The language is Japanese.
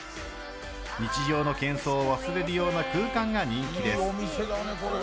日常の喧騒を忘れるような空間が人気です。